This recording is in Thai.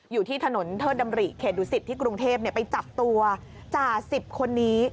อยู่ที่ถนนเทิดดำริเขตดุสิตที่กรุงเทพไปจับตัวจ่าสิบคนนี้